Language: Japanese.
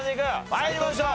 参りましょう。